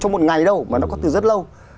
trong một ngày đâu mà nó có từ rất lâu